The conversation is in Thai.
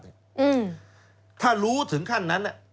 อืมถ้ารู้ถึงขั้นนั้น